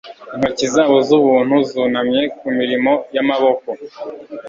Intoki zabo z'ubuntu zunamye ku mirimo y'amaboko